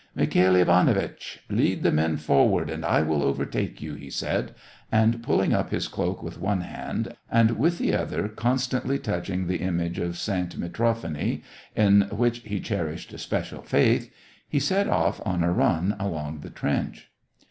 " Mikhail Ivanowitch ! Lead the men forward, and I will overtake you," he said, and, pulling up his cloak with one hand, and with the other con stantly touching the image of Saint Mitrofaniy, in which he cherished a special faith, he set off on a run along the trench.